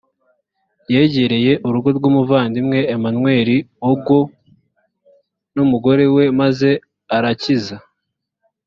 yegereye urugo rw umuvandimwe emmanuel ogwo n umugore we maze arakiza